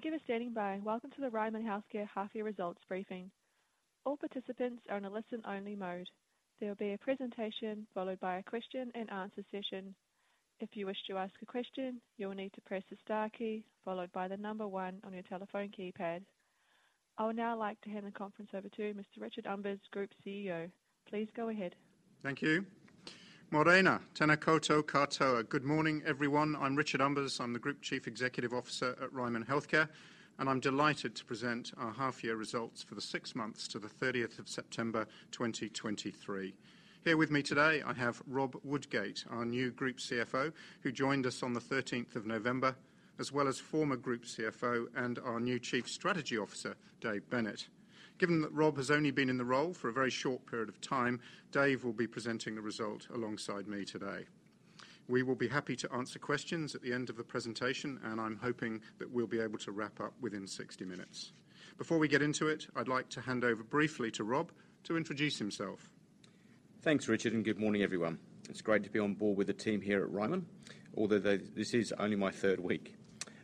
Thank you for standing by. Welcome to the Ryman Healthcare Half Year Results Briefing. All participants are in a listen-only mode. There will be a presentation, followed by a question and answer session. If you wish to ask a question, you will need to press the star key, followed by the number one on your telephone keypad. I would now like to hand the conference over to Mr. Richard Umbers, Group CEO. Please go ahead. Thank you. Morena, tena koutou katoa. Good morning, everyone. I'm Richard Umbers. I'm the Group Chief Executive Officer at Ryman Healthcare, and I'm delighted to present our half year results for the six months to the 30th of September, 2023. Here with me today, I have Rob Woodgate, our new Group CFO, who joined us on the 13th of November, as well as former Group CFO and our new Chief Strategy Officer, Dave Bennett. Given that Rob has only been in the role for a very short period of time, Dave will be presenting the result alongside me today. We will be happy to answer questions at the end of the presentation, and I'm hoping that we'll be able to wrap up within 60 minutes. Before we get into it, I'd like to hand over briefly to Rob to introduce himself. Thanks, Richard, and good morning, everyone. It's great to be on board with the team here at Ryman, although this is only my third week.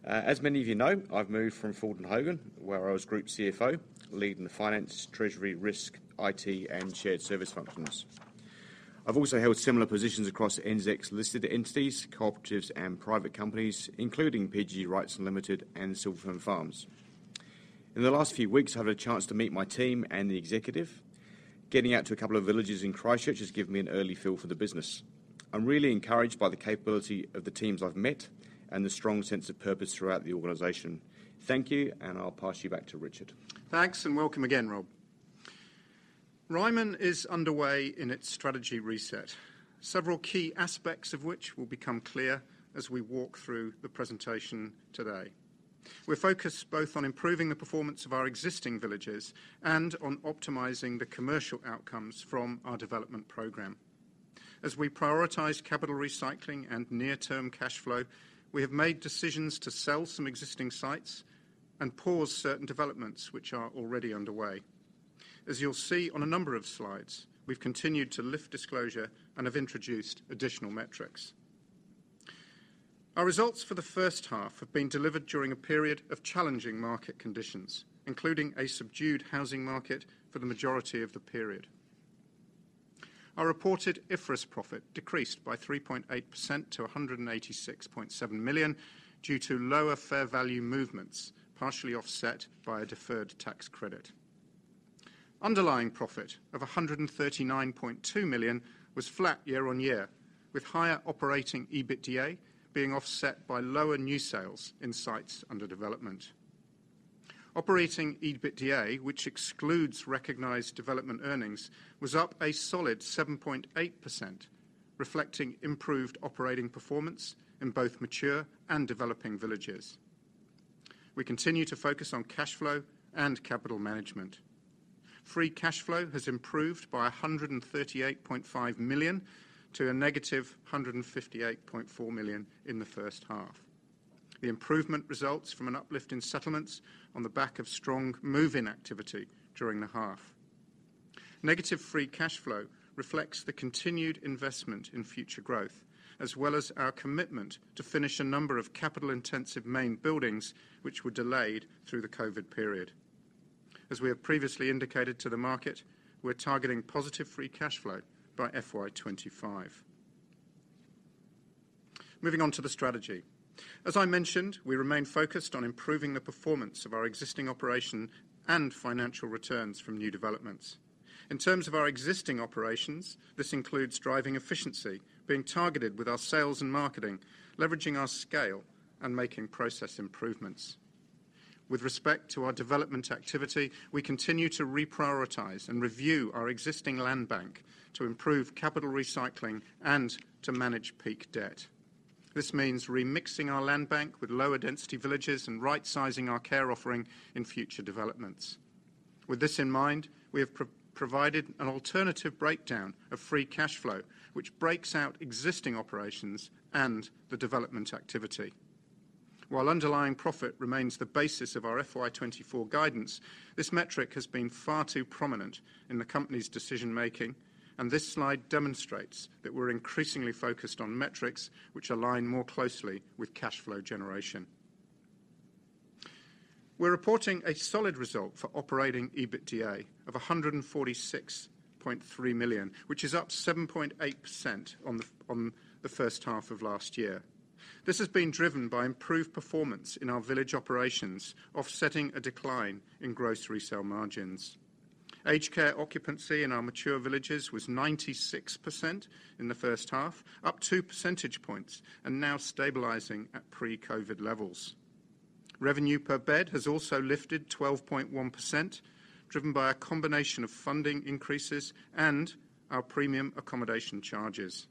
As many of you know, I've moved from Fulton Hogan, where I was Group CFO, leading the finance, treasury, risk, IT, and shared service functions. I've also held similar positions across NZX-listed entities, cooperatives, and private companies, including PGG Wrightson Ltd and Silver Fern Farms. In the last few weeks, I've had a chance to meet my team and the executive. Getting out to a couple of villages in Christchurch has given me an early feel for the business. I'm really encouraged by the capability of the teams I've met and the strong sense of purpose throughout the organization. Thank you, and I'll pass you back to Richard. Thanks, and welcome again, Rob. Ryman is underway in its strategy reset, several key aspects of which will become clear as we walk through the presentation today. We're focused both on improving the performance of our existing villages and on optimizing the commercial outcomes from our development program. As we prioritize capital recycling and near-term cash flow, we have made decisions to sell some existing sites and pause certain developments which are already underway. As you'll see on a number of slides, we've continued to lift disclosure and have introduced additional metrics. Our results for the first half have been delivered during a period of challenging market conditions, including a subdued housing market for the majority of the period. Our reported IFRS profit decreased by 3.8% to 186,700,000, due to lower fair value movements, partially offset by a deferred tax credit. Underlying profit of 139,200,000 was flat year-on-year, with higher operating EBITDA being offset by lower new sales in sites under development. Operating EBITDA, which excludes recognized development earnings, was up a solid 7.8%, reflecting improved operating performance in both mature and developing villages. We continue to focus on cash flow and capital management. Free cash flow has improved by 138,500,000 to a negative 158,400,000 in the first half. The improvement results from an uplift in settlements on the back of strong move-in activity during the half. Negative free cash flow reflects the continued investment in future growth, as well as our commitment to finish a number of capital-intensive main buildings, which were delayed through the COVID period. As we have previously indicated to the market, we're targeting positive Free Cash Flow by FY25. Moving on to the strategy. As I mentioned, we remain focused on improving the performance of our existing operation and financial returns from new developments. In terms of our existing operations, this includes driving efficiency, being targeted with our sales and marketing, leveraging our scale, and making process improvements. With respect to our development activity, we continue to reprioritize and review our existing land bank to improve Capital Recycling and to manage peak debt. This means remixing our land bank with lower density villages and right-sizing our care offering in future developments. With this in mind, we have provided an alternative breakdown of Free Cash Flow, which breaks out existing operations and the development activity. While Underlying Profit remains the basis of our FY 2024 guidance, this metric has been far too prominent in the company's decision-making, and this slide demonstrates that we're increasingly focused on metrics which align more closely with cash flow generation. We're reporting a solid result for Operating EBITDA of 146,300,000, which is up 7.8% on the first half of last year. This has been driven by improved performance in our village operations, offsetting a decline in grocery sale margins. Aged care occupancy in our mature villages was 96% in the first half, up two percentage points and now stabilizing at pre-COVID levels. Revenue per bed has also lifted 12.1%, driven by a combination of funding increases and our premium accommodation charges.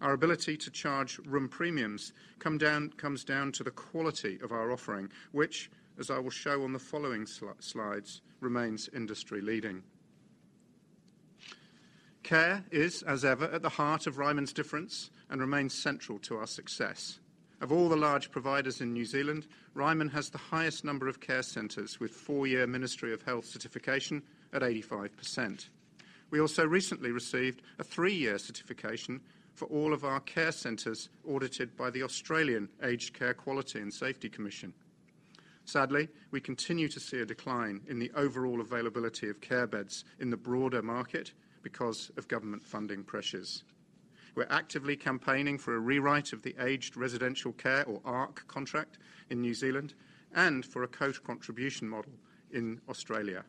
Our ability to charge room premiums comes down to the quality of our offering, which, as I will show on the following slides, remains industry-leading. Care is, as ever, at the heart of Ryman's difference and remains central to our success. Of all the large providers in New Zealand, Ryman has the highest number of care centers, with four-year Ministry of Health certification at 85%. We also recently received a three-year certification for all of our care centers audited by the Australian Aged Care Quality and Safety Commission. Sadly, we continue to see a decline in the overall availability of care beds in the broader market because of government funding pressures. We're actively campaigning for a rewrite of the Aged Residential Care, or ARC, contract in New Zealand, and for a co-contribution model in Australia.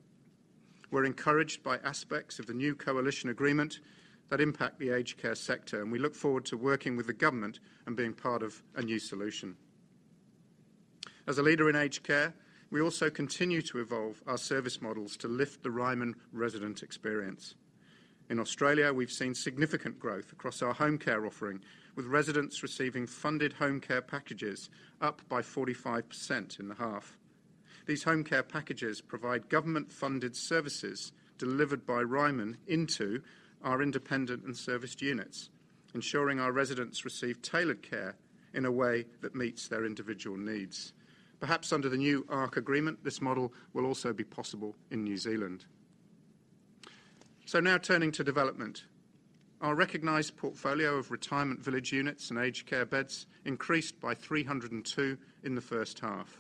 We're encouraged by aspects of the new coalition agreement that impact the aged care sector, and we look forward to working with the government and being part of a new solution. As a leader in aged care, we also continue to evolve our service models to lift the Ryman resident experience. In Australia, we've seen significant growth across our home care offering, with residents receiving funded home care packages up by 45% in the half. These home care packages provide government-funded services delivered by Ryman into our independent and serviced units, ensuring our residents receive tailored care in a way that meets their individual needs. Perhaps under the new ARC agreement, this model will also be possible in New Zealand. Now turning to development. Our recognized portfolio of retirement village units and aged care beds increased by 302 in the first half.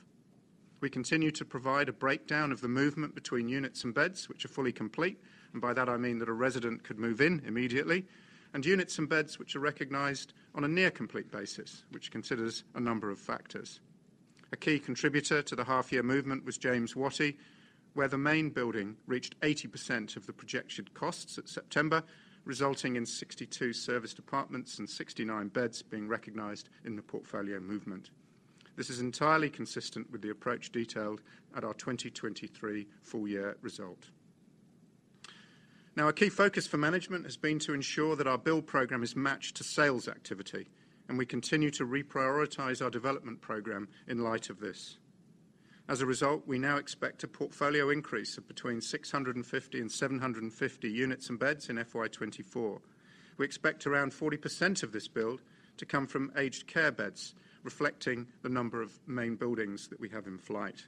We continue to provide a breakdown of the movement between units and beds, which are fully complete, and by that I mean that a resident could move in immediately, and units and beds which are recognized on a near complete basis, which considers a number of factors. A key contributor to the half-year movement was James Wattie, where the main building reached 80% of the projected costs at September, resulting in 62 serviced apartments and 69 beds being recognized in the portfolio movement. This is entirely consistent with the approach detailed at our 2023 full-year result. Now, our key focus for management has been to ensure that our build program is matched to sales activity, and we continue to reprioritize our development program in light of this. As a result, we now expect a portfolio increase of between 650 and 750 units and beds in FY 2024. We expect around 40% of this build to come from aged care beds, reflecting the number of main buildings that we have in flight.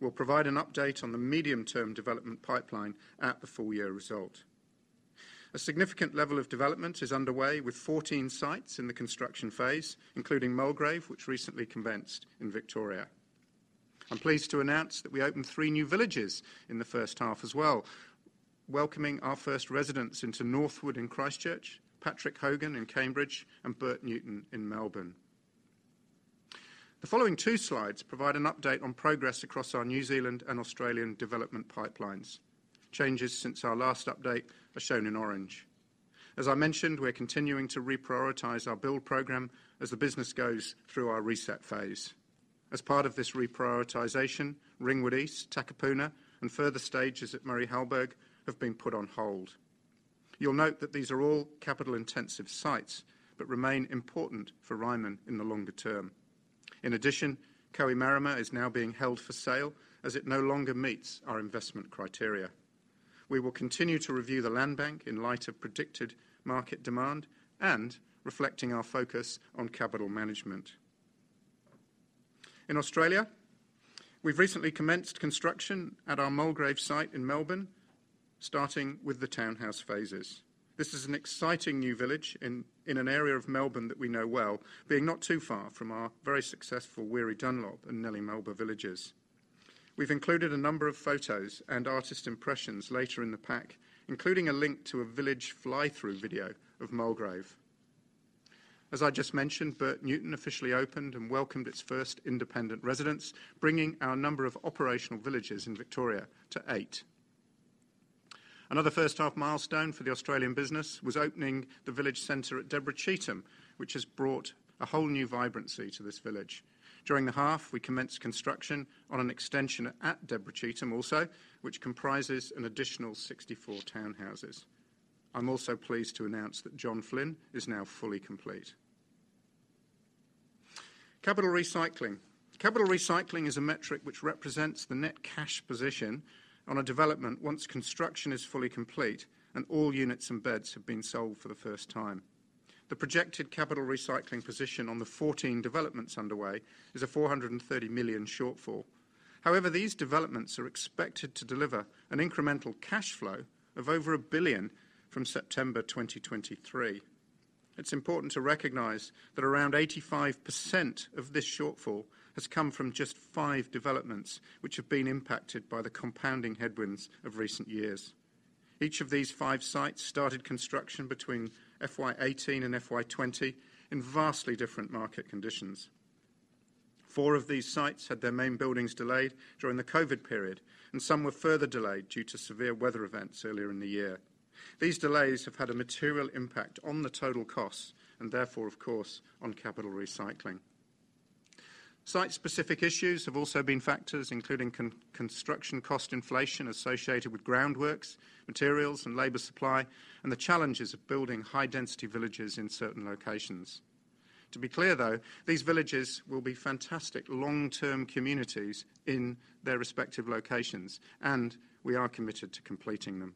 We'll provide an update on the medium-term development pipeline at the full year result. A significant level of development is underway, with 14 sites in the construction phase, including Mulgrave, which recently commenced in Victoria. I'm pleased to announce that we opened three new villages in the first half as well, welcoming our first residents into Northwood in Christchurch, Patrick Hogan in Cambridge, and Bert Newton in Melbourne. The following two slides provide an update on progress across our New Zealand and Australian development pipelines. Changes since our last update are shown in orange. As I mentioned, we're continuing to reprioritize our build program as the business goes through our reset phase. As part of this reprioritization, Ringwood East, Takapuna, and further stages at Murray Halberg have been put on hold. You'll note that these are all capital-intensive sites, but remain important for Ryman in the longer term. In addition, Kohimarama is now being held for sale as it no longer meets our investment criteria. We will continue to review the land bank in light of predicted market demand and reflecting our focus on capital management. In Australia, we've recently commenced construction at our Mulgrave site in Melbourne, starting with the townhouse phases. This is an exciting new village in, in an area of Melbourne that we know well, being not too far from our very successful Weary Dunlop and Nellie Melba villages. We've included a number of photos and artist impressions later in the pack, including a link to a village fly-through video of Mulgrave. As I just mentioned, Bert Newton officially opened and welcomed its first independent residents, bringing our number of operational villages in Victoria to 8. Another first-half milestone for the Australian business was opening the village center at Deborah Cheetham, which has brought a whole new vibrancy to this village. During the half, we commenced construction on an extension at Deborah Cheetham also, which comprises an additional 64 townhouses. I'm also pleased to announce that John Flynn is now fully complete. Capital recycling. Capital recycling is a metric which represents the net cash position on a development once construction is fully complete and all units and beds have been sold for the first time. The projected Capital Recycling position on the 14 developments underway is a 430,000,000 shortfall. However, these developments are expected to deliver an incremental cash flow of over 1,000,000,000 from September 2023. It's important to recognize that around 85% of this shortfall has come from just five developments, which have been impacted by the compounding headwinds of recent years. Each of these five sites started construction between FY 2018 and FY 2020 in vastly different market conditions. Four of these sites had their main buildings delayed during the COVID period, and some were further delayed due to severe weather events earlier in the year. These delays have had a material impact on the total cost, and therefore, of course, on capital recycling. Site-specific issues have also been factors, including construction cost inflation associated with groundworks, materials, and labor supply, and the challenges of building high-density villages in certain locations. To be clear, though, these villages will be fantastic long-term communities in their respective locations, and we are committed to completing them.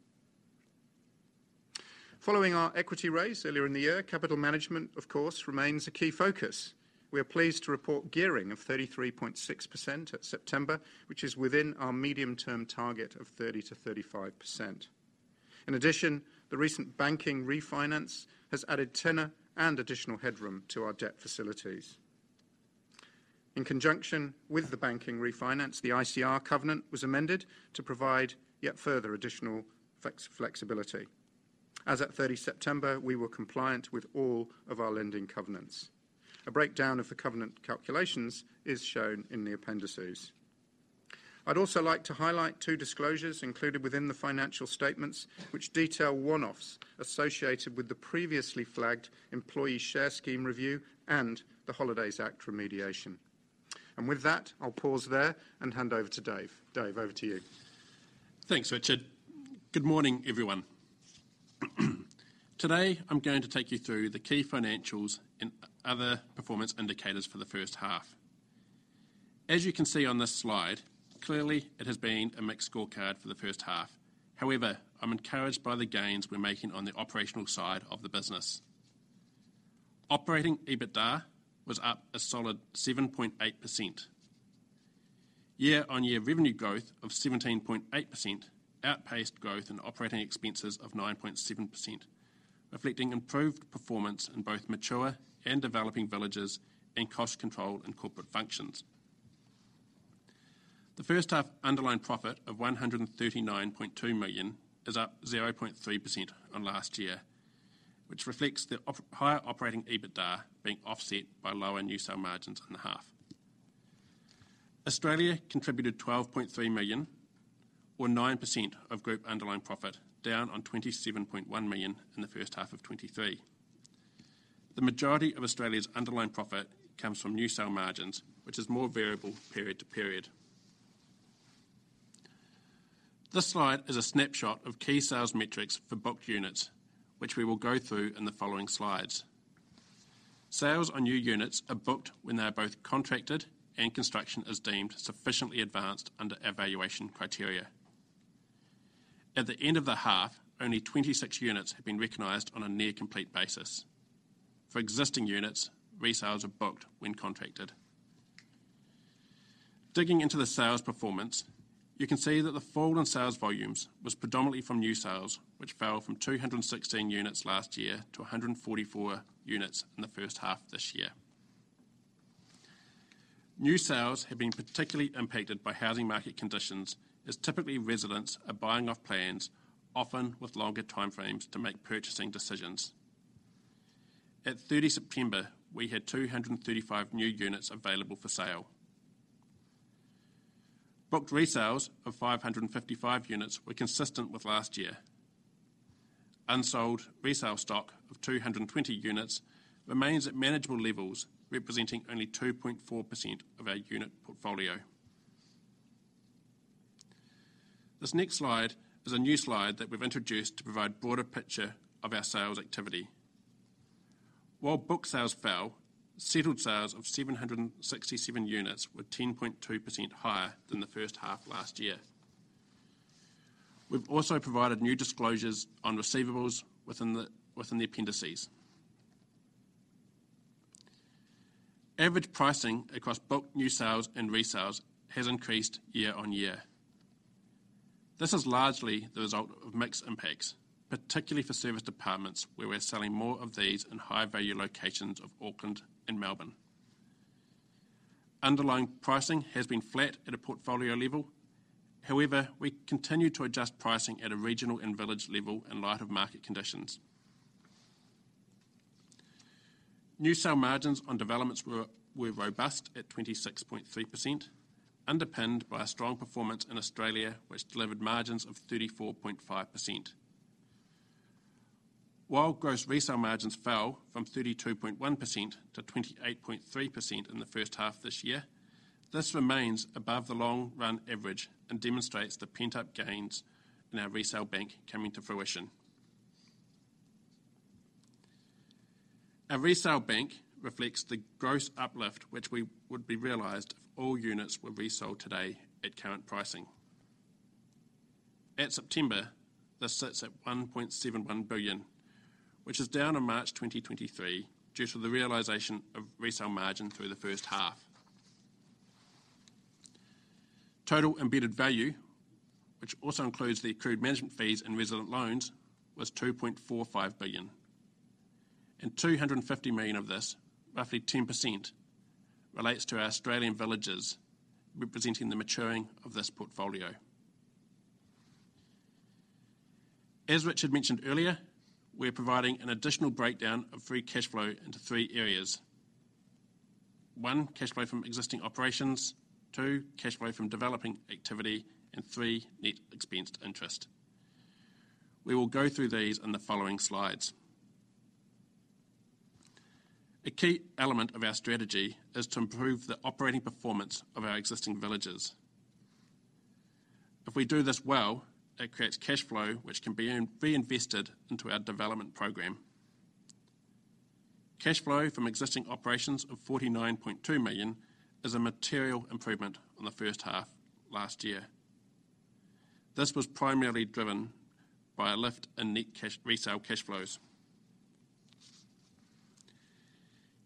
Following our equity raise earlier in the year, capital management, of course, remains a key focus. We are pleased to report gearing of 33.6% at September, which is within our medium-term target of 30%-35%. In addition, the recent banking refinance has added tenor and additional headroom to our debt facilities. In conjunction with the banking refinance, the ICR covenant was amended to provide yet further additional flexibility. As at 30 September, we were compliant with all of our lending covenants. A breakdown of the covenant calculations is shown in the appendices. I'd also like to highlight two disclosures included within the financial statements, which detail one-offs associated with the previously flagged employee share scheme review and the Holidays Act remediation. With that, I'll pause there and hand over to Dave. Dave, over to you. Thanks, Richard. Good morning, everyone. Today, I'm going to take you through the key financials and other performance indicators for the first half. As you can see on this slide, clearly, it has been a mixed scorecard for the first half. However, I'm encouraged by the gains we're making on the operational side of the business. Operating EBITDA was up a solid 7.8%. Year-on-year revenue growth of 17.8%, outpaced growth in operating expenses of 9.7%, reflecting improved performance in both mature and developing villages, and cost control and corporate functions. The first half underlying profit of NZ$139,200,000, is up 0.3% on last year, which reflects the higher operating EBITDA being offset by lower new sale margins in half. Australia contributed 12,300,000, or 9% of group underlying profit, down on 27,100,000 in the first half of 2023. The majority of Australia's underlying profit comes from new sale margins, which is more variable period to period. This slide is a snapshot of key sales metrics for booked units, which we will go through in the following slides. Sales on new units are booked when they are both contracted and construction is deemed sufficiently advanced under our valuation criteria. At the end of the half, only 26 units have been recognized on a near complete basis. For existing units, resales are booked when contracted. Digging into the sales performance, you can see that the fall on sales volumes was predominantly from new sales, which fell from 216 units last year to 144 units in the first half this year. New sales have been particularly impacted by housing market conditions, as typically residents are buying off plans, often with longer time frames to make purchasing decisions. At 30 September, we had 235 new units available for sale. Booked resales of 555 units were consistent with last year. Unsold resale stock of 220 units remains at manageable levels, representing only 2.4% of our unit portfolio. This next slide is a new slide that we've introduced to provide a broader picture of our sales activity. While book sales fell, settled sales of 767 units were 10.2% higher than the first half last year. We've also provided new disclosures on receivables within the appendices. Average pricing across booked new sales and resales has increased year on year. This is largely the result of mixed impacts, particularly for service apartments, where we're selling more of these in higher value locations of Auckland and Melbourne. Underlying pricing has been flat at a portfolio level. However, we continue to adjust pricing at a regional and village level in light of market conditions. New sale margins on developments were robust at 26.3%, underpinned by a strong performance in Australia, which delivered margins of 34.5%. While gross resale margins fell from 32.1% to 28.3% in the first half this year, this remains above the long-run average and demonstrates the pent-up gains in our Resale Bank coming to fruition. Our Resale Bank reflects the gross uplift, which would be realized if all units were resold today at current pricing. At September, this sits at 1,710,000,000, which is down from March 2023, due to the realization of resale margin through the first half. Total embedded value, which also includes the accrued management fees and resident loans, was 2,450,000,000, and 250,000,000 of this, roughly 10%, relates to our Australian villages, representing the maturing of this portfolio. As Richard mentioned earlier, we're providing an additional breakdown of free cash flow into three areas: one, cash flow from existing operations, two, cash flow from developing activity, and three, net expensed interest. We will go through these in the following slides. A key element of our strategy is to improve the operating performance of our existing villages. If we do this well, it creates cash flow, which can be reinvested into our development program. Cash flow from existing operations of 49,200,000 is a material improvement on the first half last year. This was primarily driven by a lift in net cash resale cash flows.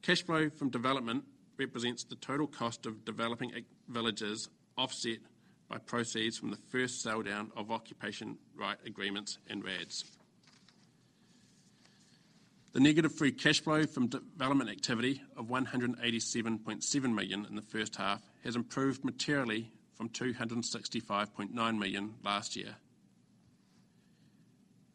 Cash flow from development represents the total cost of developing villages, offset by proceeds from the first sale down of occupation right agreements and RADs. The negative free cash flow from development activity of 187,700,000 in the first half has improved materially from 265,900,000 last year.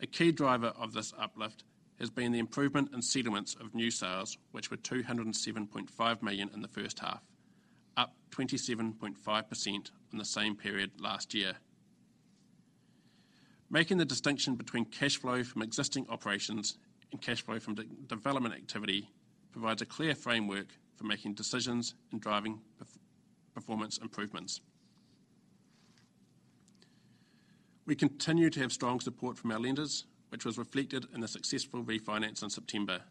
A key driver of this uplift has been the improvement in settlements of new sales, which were 207,500,000 in the first half, up 27.5% from the same period last year. Making the distinction between cash flow from existing operations and cash flow from development activity provides a clear framework for making decisions and driving performance improvements. We continue to have strong support from our lenders, which was reflected in the successful refinance in September.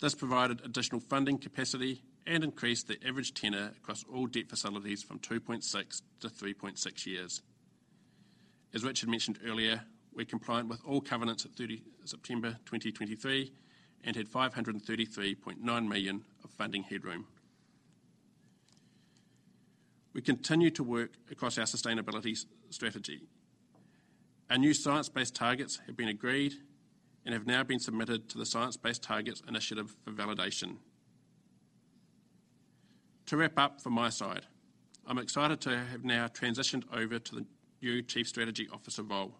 This provided additional funding capacity and increased the average tenor across all debt facilities from 2.6 years-3.6 years. As Richard mentioned earlier, we're compliant with all covenants at 30 September 2023, and had 533,900,000 of funding headroom. We continue to work across our sustainability strategy. Our new science-based targets have been agreed and have now been submitted to the Science-Based Targets Initiative for validation. To wrap up from my side, I'm excited to have now transitioned over to the new Chief Strategy Officer role.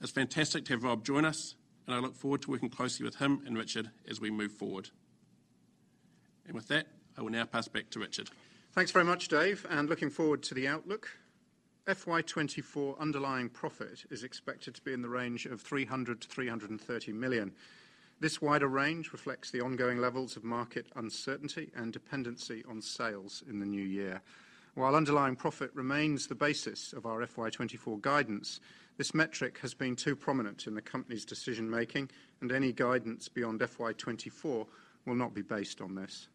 It's fantastic to have Rob join us, and I look forward to working closely with him and Richard as we move forward. And with that, I will now pass back to Richard. Thanks very much, Dave, and looking forward to the outlook. FY 2024 underlying profit is expected to be in the range of 300,000,000-330,000,000. This wider range reflects the ongoing levels of market uncertainty and dependency on sales in the new year. While underlying profit remains the basis of our FY 2024 guidance, this metric has been too prominent in the company's decision-making, and any guidance beyond FY 2024 will not be based on this.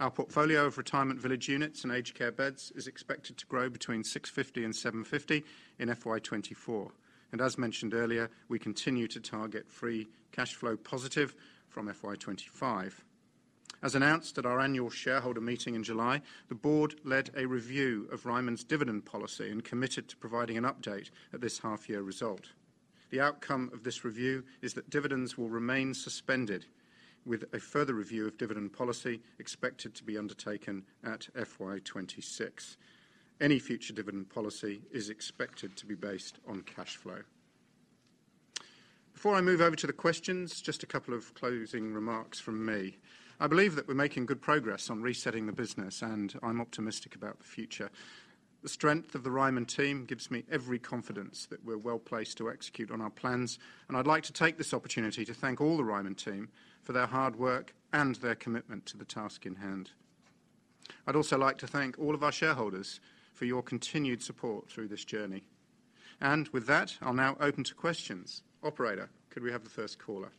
Our portfolio of retirement village units and aged care beds is expected to grow between 650 and 750 in FY 2024, and as mentioned earlier, we continue to target free cash flow positive from FY 2025. As announced at our annual shareholder meeting in July, the board led a review of Ryman's dividend policy and committed to providing an update at this half year result. The outcome of this review is that dividends will remain suspended with a further review of dividend policy expected to be undertaken at FY 26. Any future dividend policy is expected to be based on cash flow. Before I move over to the questions, just a couple of closing remarks from me. I believe that we're making good progress on resetting the business, and I'm optimistic about the future. The strength of the Ryman team gives me every confidence that we're well placed to execute on our plans, and I'd like to take this opportunity to thank all the Ryman team for their hard work and their commitment to the task in hand. I'd also like to thank all of our shareholders for your continued support through this journey. With that, I'll now open to questions. Operator, could we have the first caller?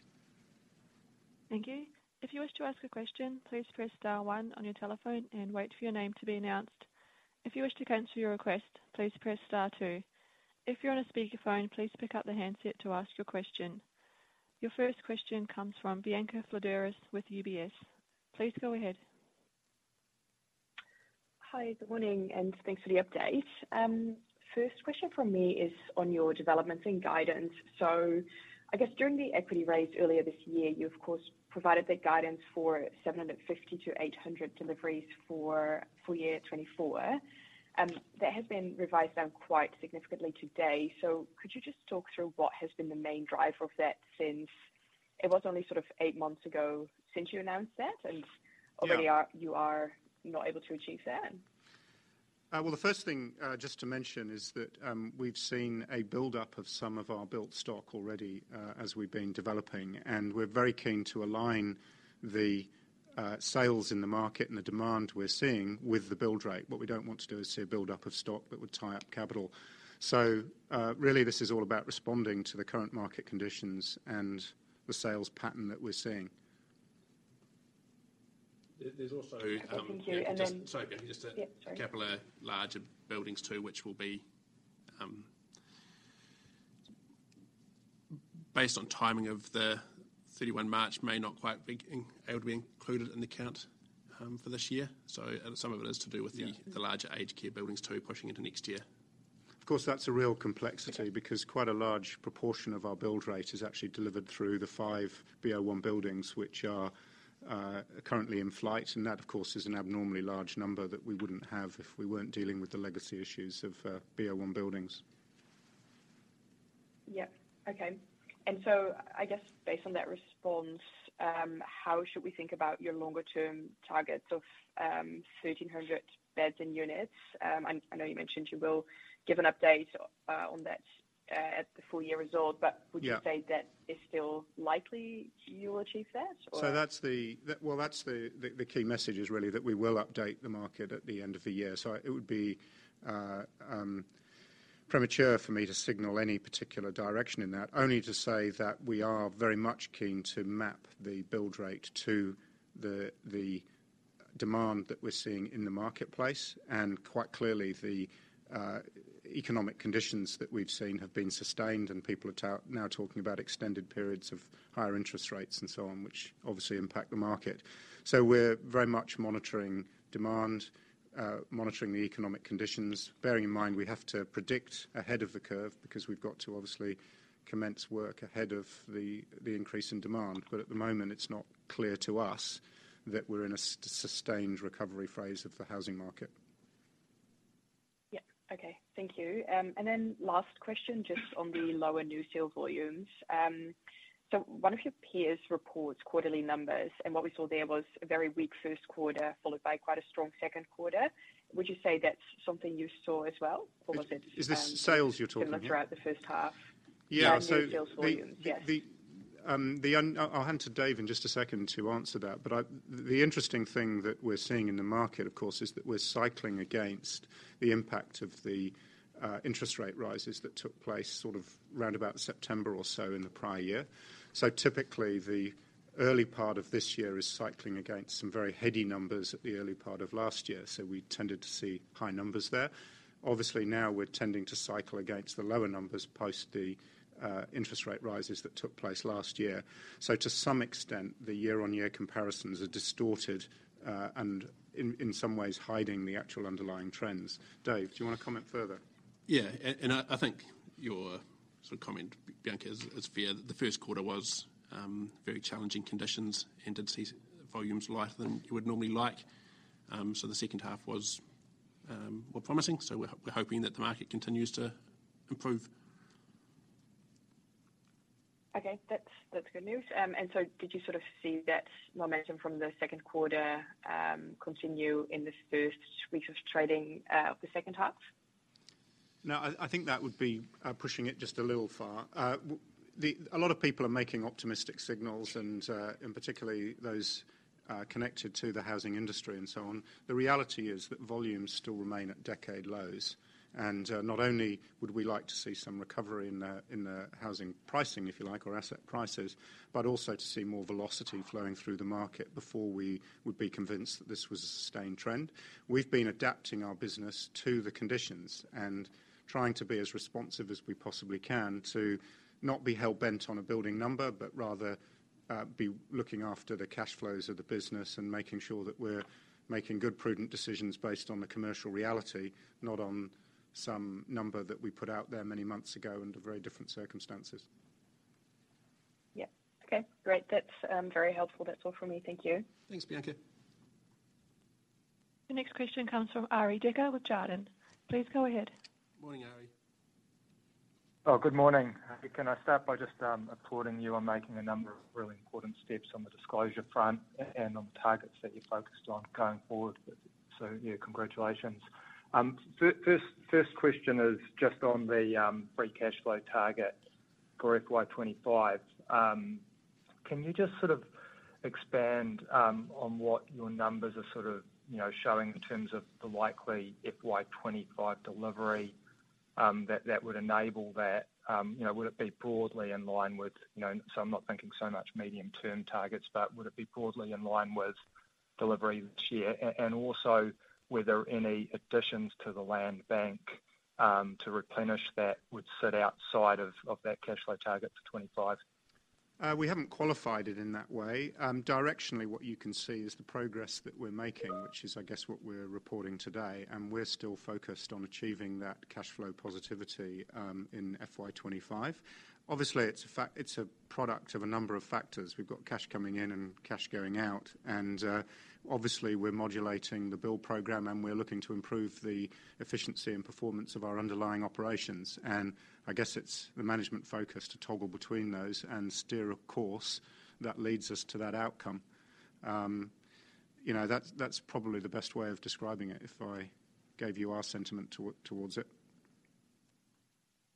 Thank you. If you wish to ask a question, please press star one on your telephone and wait for your name to be announced. If you wish to cancel your request, please press star two. If you're on a speakerphone, please pick up the handset to ask your question. Your first question comes from Bianca Fledderus with UBS. Please go ahead. Hi, good morning, and thanks for the update. First question from me is on your developments and guidance. So I guess during the equity raise earlier this year, you of course, provided the guidance for 750-800 deliveries for full year 2024. That has been revised down quite significantly today. So could you just talk through what has been the main driver of that since it was only sort of 8 months ago since you announced that, and- Yeah... already are, you are not able to achieve that? Well, the first thing just to mention is that we've seen a buildup of some of our built stock already as we've been developing, and we're very keen to align the sales in the market and the demand we're seeing with the build rate. What we don't want to do is see a buildup of stock that would tie up capital. So, really, this is all about responding to the current market conditions and the sales pattern that we're seeing. There's also Thank you, and then- Sorry, Bianca, just to- Yeah, sorry... capital larger buildings, too, which will be, based on timing of the 31 March, may not quite be able to be included in the count, for this year. So some of it is to do with the- Yeah... the larger aged care buildings, too, pushing into next year. Of course, that's a real complexity- Yeah... because quite a large proportion of our build rate is actually delivered through the five B01 buildings, which are currently in flight, and that, of course, is an abnormally large number that we wouldn't have if we weren't dealing with the legacy issues of B01 buildings. Yep. Okay. And so I guess based on that response, how should we think about your longer-term targets of 1,300 beds and units? I know you mentioned you will give an update on that at the full year result, but- Yeah... would you say that it's still likely you will achieve that, or? So that's the, well, that's the key message is really that we will update the market at the end of the year. So it would be premature for me to signal any particular direction in that, only to say that we are very much keen to map the build rate to the demand that we're seeing in the marketplace. And quite clearly, economic conditions that we've seen have been sustained, and people are now talking about extended periods of higher interest rates and so on, which obviously impact the market. So we're very much monitoring demand, monitoring the economic conditions, bearing in mind we have to predict ahead of the curve, because we've got to obviously commence work ahead of the increase in demand. But at the moment, it's not clear to us that we're in a sustained recovery phase of the housing market. Yeah. Okay. Thank you. And then last question, just on the lower new sales volumes. So one of your peers reports quarterly numbers, and what we saw there was a very weak first quarter, followed by quite a strong second quarter. Would you say that's something you saw as well, or was it? Is this sales you're talking about? Similar throughout the first half? Yeah, so- Yeah, new sales volumes. Yes. I'll hand to Dave in just a second to answer that. But the interesting thing that we're seeing in the market, of course, is that we're cycling against the impact of the interest rate rises that took place sort of round about September or so in the prior year. So typically, the early part of this year is cycling against some very heady numbers at the early part of last year, so we tended to see high numbers there. Obviously, now we're tending to cycle against the lower numbers post the interest rate rises that took place last year. So to some extent, the year-on-year comparisons are distorted, and in some ways, hiding the actual underlying trends. Dave, do you want to comment further? Yeah, and I think your sort of comment, Bianca, is fair. The first quarter was very challenging conditions and did see volumes lighter than you would normally like. So the second half was more promising, so we're hoping that the market continues to improve. Okay, that's, that's good news. And so did you sort of see that momentum from the second quarter continue in this first week of trading of the second half? No, I think that would be pushing it just a little far. A lot of people are making optimistic signals, and particularly those connected to the housing industry and so on. The reality is that volumes still remain at decade lows. Not only would we like to see some recovery in the housing pricing, if you like, or asset prices, but also to see more velocity flowing through the market before we would be convinced that this was a sustained trend. We've been adapting our business to the conditions and trying to be as responsive as we possibly can to not be hell-bent on a building number, but rather, be looking after the cash flows of the business and making sure that we're making good, prudent decisions based on the commercial reality, not on some number that we put out there many months ago under very different circumstances. Yeah. Okay, great. That's very helpful. That's all from me. Thank you. Thanks, Bianca. The next question comes from Arie Dekker with Jarden. Please go ahead. Morning, Arie. Oh, good morning. Can I start by just applauding you on making a number of really important steps on the disclosure front and on the targets that you're focused on going forward? So, yeah, congratulations. First question is just on the free cash flow target for FY 25. Can you just sort of expand on what your numbers are sort of, you know, showing in terms of the likely FY 25 delivery that would enable that? You know, would it be broadly in line with, you know... So I'm not thinking so much medium-term targets, but would it be broadly in line with delivery this year? And also, were there any additions to the land bank to replenish that would sit outside of that cash flow target to 25? We haven't qualified it in that way. Directionally, what you can see is the progress that we're making, which is, I guess, what we're reporting today, and we're still focused on achieving that cash flow positivity in FY 25. Obviously, it's a product of a number of factors. We've got cash coming in and cash going out, and obviously, we're modulating the build program, and we're looking to improve the efficiency and performance of our underlying operations. And I guess it's the management focus to toggle between those and steer a course that leads us to that outcome. You know, that's probably the best way of describing it, if I gave you our sentiment towards it.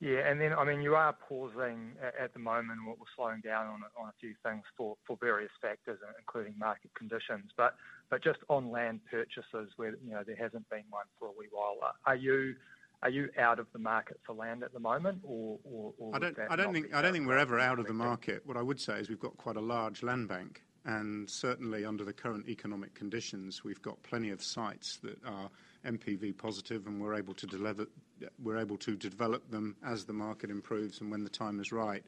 Yeah, and then, I mean, you are pausing at the moment, what we're slowing down on a few things for various factors, including market conditions. But just on land purchases, where, you know, there hasn't been one for a wee while, are you out of the market for land at the moment or, or- I don't think we're ever out of the market. What I would say is we've got quite a large land bank, and certainly under the current economic conditions, we've got plenty of sites that are NPV positive, and we're able to delever, we're able to develop them as the market improves and when the time is right.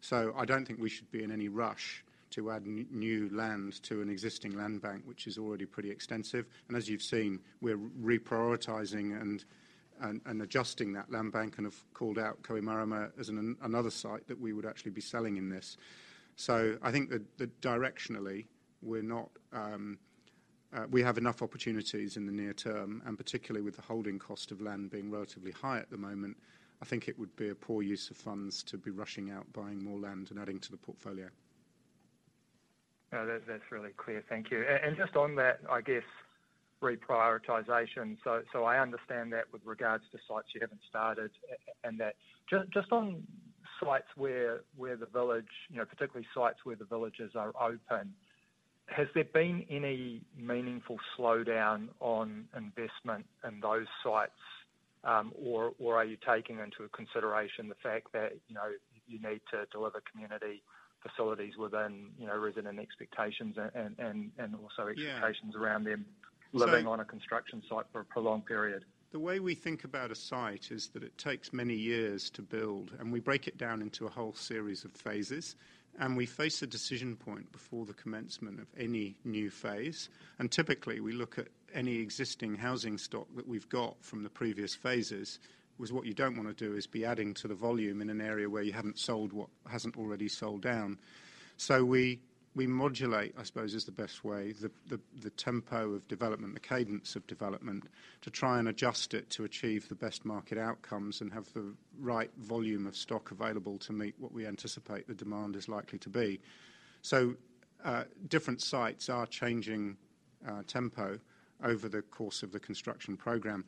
So I don't think we should be in any rush to add new land to an existing land bank, which is already pretty extensive. And as you've seen, we're reprioritizing and adjusting that land bank, and have called out Kohimarama as another site that we would actually be selling in this. So I think that directionally, we're not, we have enough opportunities in the near term, and particularly with the holding cost of land being relatively high at the moment, I think it would be a poor use of funds to be rushing out, buying more land and adding to the portfolio. That, that's really clear. Thank you. And just on that, I guess, reprioritization, so I understand that with regards to sites you haven't started and that. Just on sites where the village, you know, particularly sites where the villages are open. Has there been any meaningful slowdown on investment in those sites, or are you taking into consideration the fact that, you know, you need to deliver community facilities within, you know, resident expectations and also- Yeah expectations around them living So- on a construction site for a prolonged period? The way we think about a site is that it takes many years to build, and we break it down into a whole series of phases, and we face a decision point before the commencement of any new phase. Typically, we look at any existing housing stock that we've got from the previous phases. With what you don't want to do, is be adding to the volume in an area where you haven't sold what hasn't already sold down. So we modulate, I suppose, is the best way, the tempo of development, the cadence of development, to try and adjust it to achieve the best market outcomes and have the right volume of stock available to meet what we anticipate the demand is likely to be. So, different sites are changing tempo over the course of the construction program.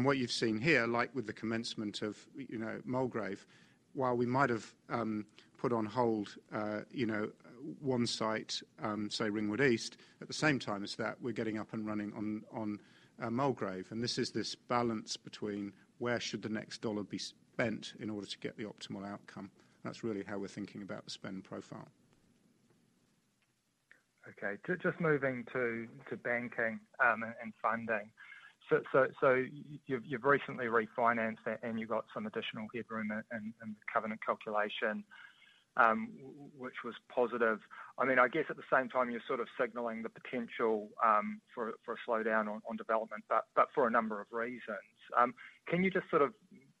What you've seen here, like with the commencement of, you know, Mulgrave, while we might have put on hold, you know, one site, say Ringwood East, at the same time as that, we're getting up and running on Mulgrave. And this is this balance between where should the next dollar be spent in order to get the optimal outcome. That's really how we're thinking about the spend profile. Okay. Just moving to banking and funding. So you've recently refinanced and you got some additional headroom and covenant calculation, which was positive. I mean, I guess at the same time, you're sort of signaling the potential for a slowdown on development, but for a number of reasons. Can you just sort of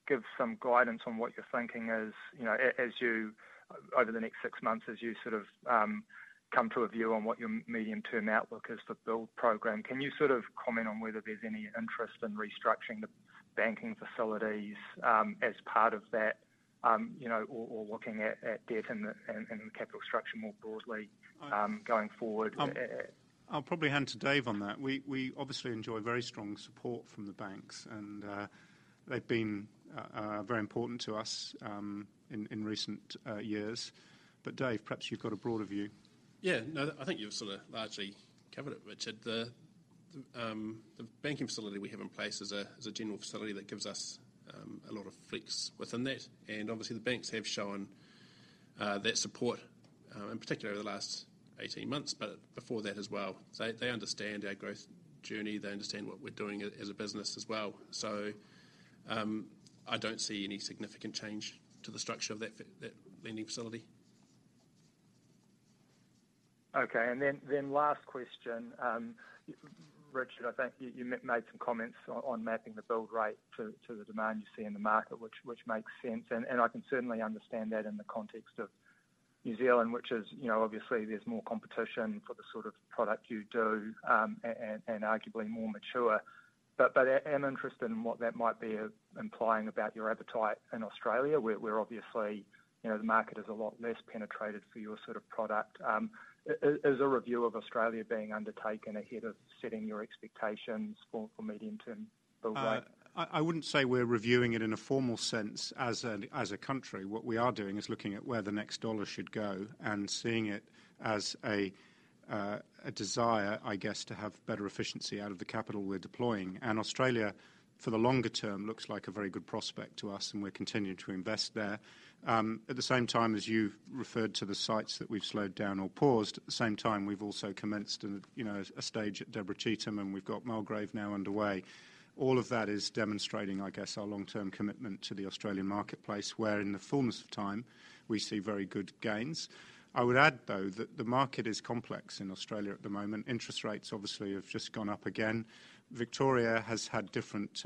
give some guidance on what your thinking is, you know, as you over the next six months, as you sort of come to a view on what your medium-term outlook is to build program? Can you sort of comment on whether there's any interest in restructuring the banking facilities, as part of that, you know, or looking at debt and capital structure more broadly, going forward? I'll probably hand to Dave on that. We obviously enjoy very strong support from the banks, and they've been very important to us, in recent years. But Dave, perhaps you've got a broader view. Yeah. No, I think you've sort of largely covered it, Richard. The banking facility we have in place is a general facility that gives us a lot of flex within that. And obviously, the banks have shown that support in particular over the last 18 months, but before that as well. They understand our growth journey, they understand what we're doing as a business as well. So, I don't see any significant change to the structure of that facility, that lending facility. Okay. And then the last question. Richard, I think you made some comments on mapping the build rate to the demand you see in the market, which makes sense, and I can certainly understand that in the context of New Zealand, which is, you know, obviously there's more competition for the sort of product you do, and arguably more mature. But I'm interested in what that might be implying about your appetite in Australia, where obviously, you know, the market is a lot less penetrated for your sort of product. Is a review of Australia being undertaken ahead of setting your expectations for medium-term build rate? I wouldn't say we're reviewing it in a formal sense as a country. What we are doing is looking at where the next dollar should go and seeing it as a desire, I guess, to have better efficiency out of the capital we're deploying. And Australia, for the longer term, looks like a very good prospect to us, and we're continuing to invest there. At the same time, as you've referred to the sites that we've slowed down or paused, at the same time, we've also commenced and, you know, a stage at Deborah Cheetham, and we've got Mulgrave now underway. All of that is demonstrating, I guess, our long-term commitment to the Australian marketplace, where in the fullness of time, we see very good gains. I would add, though, that the market is complex in Australia at the moment. Interest rates obviously have just gone up again. Victoria has had different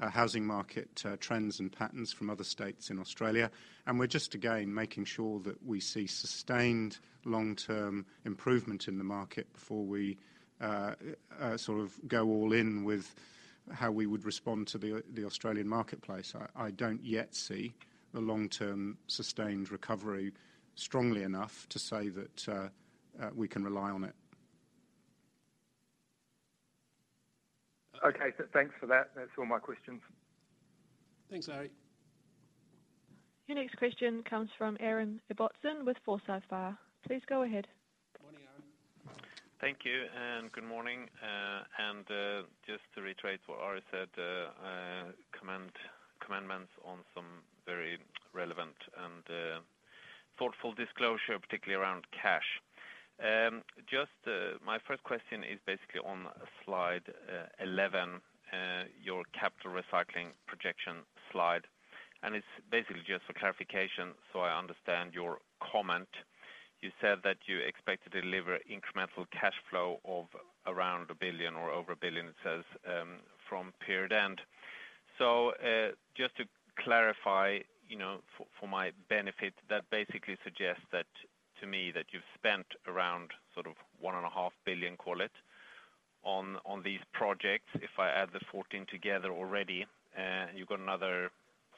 housing market trends and patterns from other states in Australia, and we're just again making sure that we see sustained long-term improvement in the market before we sort of go all in with how we would respond to the Australian marketplace. I don't yet see a long-term, sustained recovery strongly enough to say that we can rely on it. Okay. So thanks for that. That's all my questions. Thanks, Harry. Your next question comes from Aaron Ibbotson with Forsyth Barr. Please go ahead. Morning, Aaron. Thank you and good morning. Just to retrace what Aaron said, commendations on some very relevant and thoughtful disclosure, particularly around cash. Just, my first question is basically on slide 11, your Capital Recycling projection slide, and it's basically just for clarification, so I understand your comment. You said that you expect to deliver incremental cash flow of around NZ$1,000,000,000 or over NZ$1,000,000,000, it says, from period end. So, just to clarify, you know, for my benefit, that basically suggests that, to me, that you've spent around sort of NZ$1,500,000,000, call it, on these projects. If I add the 14 together already, you've got another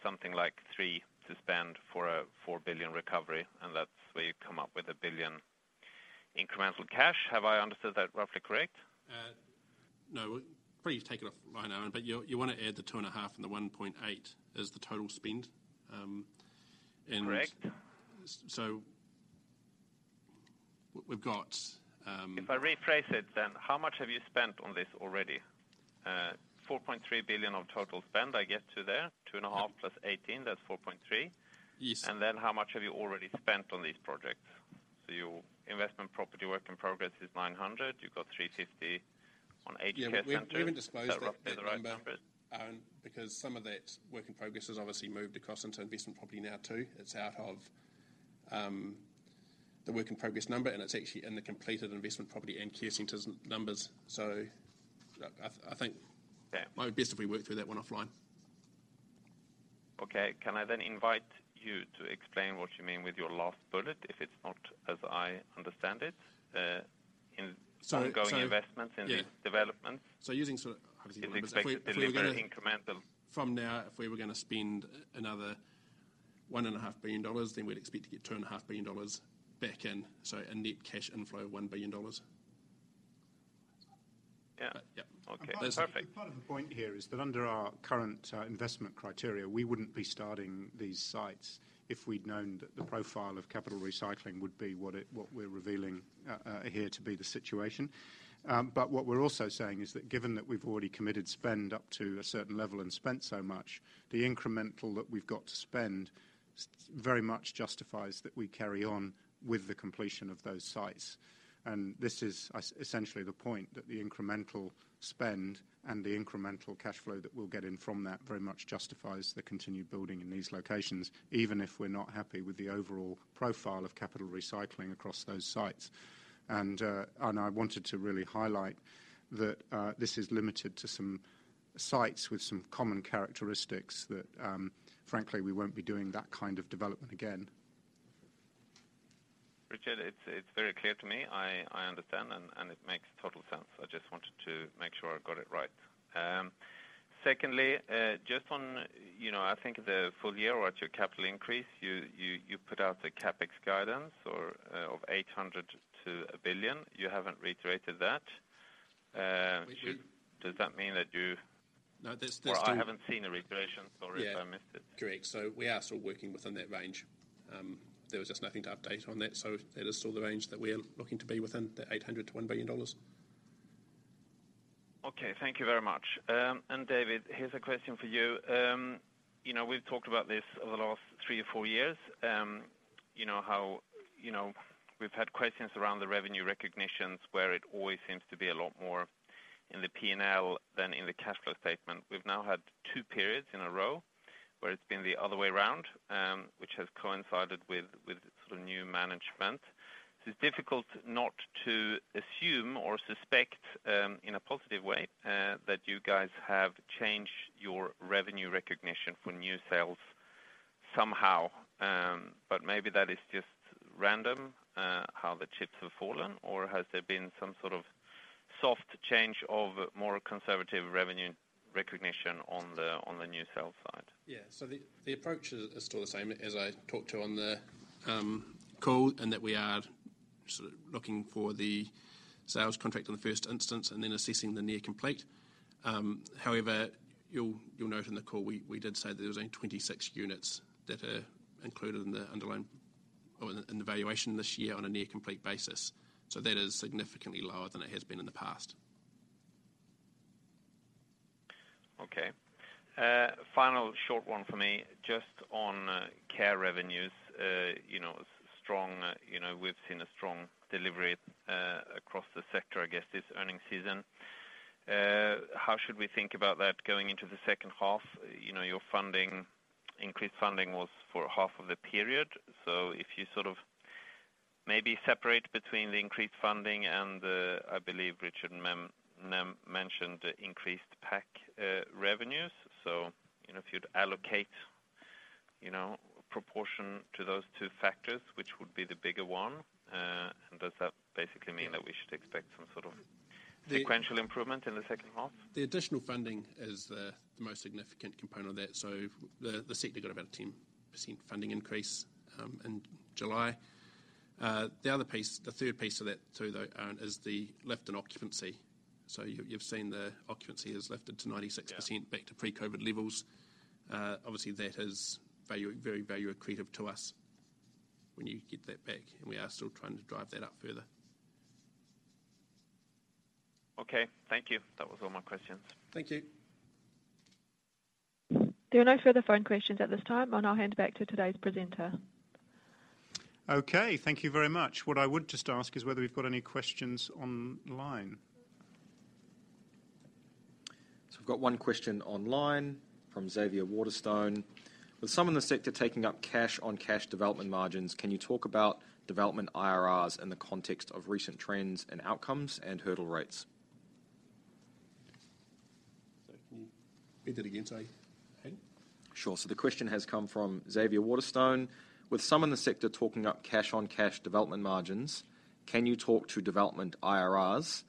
something like NZ$3,000,000,000 to spend for a NZ$4,000,000,000 recovery, and that's where you come up with a NZ$1,000,000,000 incremental cash. Have I understood that roughly correct?... No, we'll probably take it off right now, but you, you wanna add the 2.5 and the 1.8 as the total spend, and- Correct. So we've got If I rephrase it, how much have you spent on this already? Four point three billion of total spend, I get to there. Two and a half plus eighteen, that's 4,300,000,000. Yes. How much have you already spent on these projects? Your investment property work in progress is 900. You've got 350 on aged care center. Yeah, we've disclosed that number- Is that roughly the right number? Because some of that work in progress has obviously moved across into investment property now, too. It's out of the work in progress number, and it's actually in the completed investment property and care centers numbers. So I think, yeah, maybe best if we work through that one offline. Okay, can I then invite you to explain what you mean with your last bullet, if it's not as I understand it, in- So, so- ongoing investments in the Yeah - development. So using... Obviously, Expect delivery incremental. From now, if we were gonna spend another 1,500,000,000 dollars, then we'd expect to get 2,500,000,000 dollars back in, so a net cash inflow of 1,000,000,000 dollars. Yeah. Yeah. Okay, perfect. Part of the point here is that under our current investment criteria, we wouldn't be starting these sites if we'd known that the profile of Capital Recycling would be what it, what we're revealing here to be the situation. But what we're also saying is that given that we've already committed spend up to a certain level and spent so much, the incremental that we've got to spend very much justifies that we carry on with the completion of those sites. And this is essentially the point, that the incremental spend and the incremental cash flow that we'll get in from that very much justifies the continued building in these locations, even if we're not happy with the overall profile of Capital Recycling across those sites. And I wanted to really highlight that this is limited to some sites with some common characteristics that, frankly, we won't be doing that kind of development again. Richard, it's very clear to me. I understand, and it makes total sense. I just wanted to make sure I got it right. Secondly, just on, you know, I think the full year or at your capital increase, you put out the CapEx guidance of 800,000,000-1,000,000,000. You haven't reiterated that. We should. Does that mean that you- No, there's two- Well, I haven't seen a reiteration. Sorry if I missed it. Yeah, correct. So we are still working within that range. There was just nothing to update on that, so it is still the range that we're looking to be within 800,000,000-1,000,000,000 dollars. Okay, thank you very much. David, here's a question for you. You know, we've talked about this over the last three or four years, you know how, you know, we've had questions around the revenue recognitions, where it always seems to be a lot more in the P&L than in the cash flow statement. We've now had two periods in a row where it's been the other way around, which has coincided with the new management. It's difficult not to assume or suspect, in a positive way, that you guys have changed your revenue recognition for new sales somehow. Maybe that is just random, how the chips have fallen, or has there been some sort of soft change of more conservative revenue recognition on the new sales side? Yeah. So the approach is still the same as I talked to on the call, and that we are sort of looking for the sales contract in the first instance and then assessing the near complete. However, you'll note in the call, we did say that there was only 26 units that are included in the underlying or in the valuation this year on a near complete basis. So that is significantly lower than it has been in the past. Okay. Final short one for me, just on care revenues. You know, strong, you know, we've seen a strong delivery across the sector, I guess, this earnings season. How should we think about that going into the second half? You know, your funding, increased funding was for half of the period. So if you sort of maybe separate between the increased funding and the, I believe Richard mentioned, the increased PAC revenues. So, you know, if you'd allocate, you know, proportion to those two factors, which would be the bigger one, and does that basically mean that we should expect some sort of- The- - sequential improvement in the second half? The additional funding is the most significant component of that. So the sector got about a 10% funding increase in July. The other piece, the third piece of that too, though, Aaron, is the lift in occupancy. So you've seen the occupancy has lifted to 96%- Yeah... back to pre-COVID levels. Obviously, that is value, very value accretive to us when you get that back, and we are still trying to drive that up further. Okay, thank you. That was all my questions. Thank you. There are no further phone questions at this time, and I'll hand it back to today's presenter. Okay, thank you very much. What I would just ask is whether we've got any questions online. So we've got one question online from Xavier Waterstone: With some in the sector taking up cash-on-cash development margins, can you talk about development IRRs in the context of recent trends and outcomes and hurdle rates? So can you read that again, Xavier? Sure. So the question has come from Xavier Waterstone: With some in the sector talking up cash-on-cash development margins, can you talk to development IRRs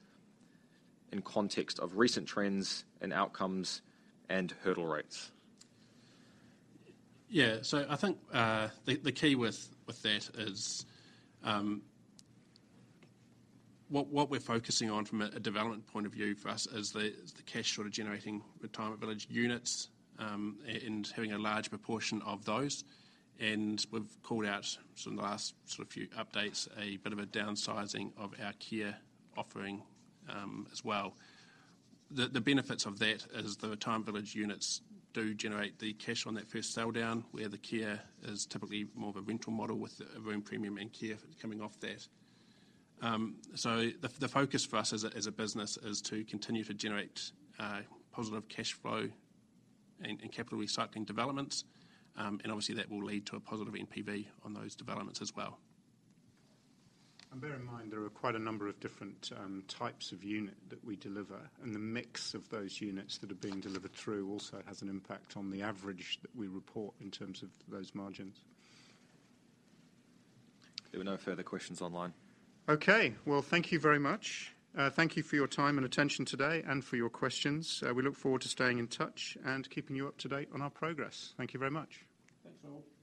in context of recent trends and outcomes and hurdle rates? Yeah. So I think, the key with that is what we're focusing on from a development point of view for us is the cash sort of generating retirement village units and having a large proportion of those. And we've called out some of the last sort of few updates, a bit of a downsizing of our care offering, as well. The benefits of that is the retirement village units do generate the cash on that first sale down, where the care is typically more of a rental model with a room premium and care coming off that. So the focus for us as a business is to continue to generate positive cash flow and Capital Recycling developments. And obviously, that will lead to a positive NPV on those developments as well. Bear in mind, there are quite a number of different types of unit that we deliver, and the mix of those units that are being delivered through also has an impact on the average that we report in terms of those margins. There were no further questions online. Okay. Well, thank you very much. Thank you for your time and attention today, and for your questions. We look forward to staying in touch and keeping you up to date on our progress. Thank you very much. Thanks, all.